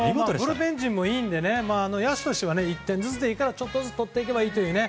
ブルペン陣もいいので野手としては１点ずつでいいからちょっとずつ取っていけばいいというね。